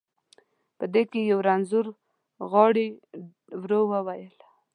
په دې کې یو رنځور غاړي، ورو وویل.